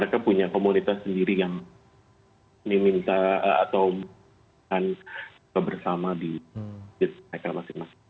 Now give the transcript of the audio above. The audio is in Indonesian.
jadi ada komunitas sendiri yang diminta atau kebersama di masjid mereka masing masing